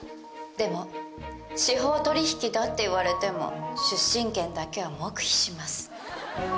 でも司法取引だって言われても出身県だけは黙秘します。